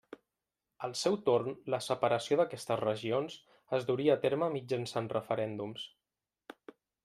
Al seu torn, la separació d'aquestes regions es duria a terme mitjançant referèndums.